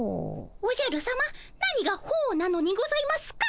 おじゃるさま何が「ほう」なのにございますか？